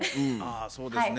あそうですね。